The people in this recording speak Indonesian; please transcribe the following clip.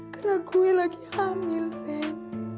karena gue lagi hamil ren